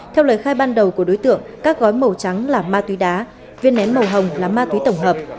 theo lời khai ban đầu của đối tượng các gói màu trắng là ma túy đá viên nén màu hồng là ma túy tổng hợp